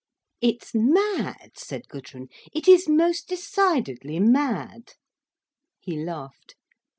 "It's mad," said Gudrun. "It is most decidedly mad." He laughed.